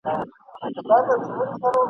چي یې ښځي ویل واوره دا خبره !.